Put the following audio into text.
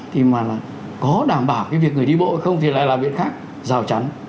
thì mà có đảm bảo cái việc người đi bộ không thì lại là việc khác rào chắn